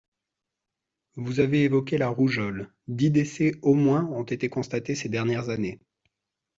Vous avez évoqué la rougeole ; dix décès au moins ont été constatés ces dernières années.